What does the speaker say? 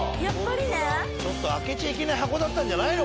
ちょっと開けちゃいけない箱だったんじゃないの？